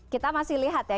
kita masih lihat ya